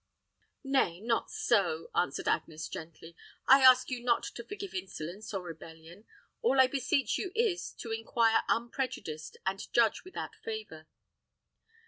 "Nay, not so," answered Agnes, gently, "I ask you not to forgive insolence or rebellion. All I beseech you is, to inquire unprejudiced, and judge without favor.